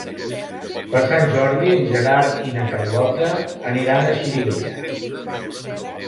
Per Sant Jordi en Gerard i na Carlota aniran a Xirivella.